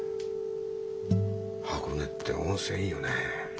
箱根って温泉いいよね